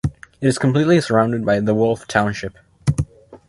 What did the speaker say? It is completely surrounded by Wolf Township.